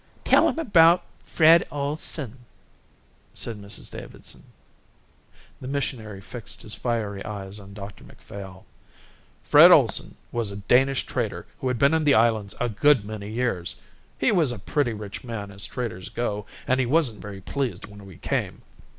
"Tell him about Fred Ohlson," said Mrs Davidson. The missionary fixed his fiery eyes on Dr Macphail. "Fred Ohlson was a Danish trader who had been in the islands a good many years. He was a pretty rich man as traders go and he wasn't very pleased when we came.